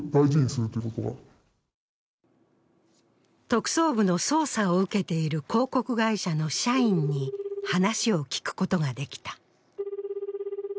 特捜部の捜査を受けている広告会社の社員に話を聞くことができた。